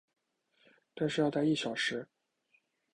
但是要待一个小时